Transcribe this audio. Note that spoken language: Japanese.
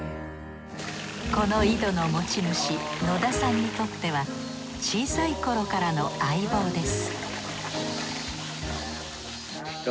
この井戸の持ち主野田さんにとっては小さい頃からの相棒です